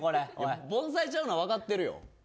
盆栽ちゃうのわかってるよ